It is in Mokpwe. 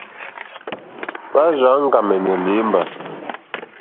Hwá rzà áŋɡàmɛ̀nɛ̀ lěmbà.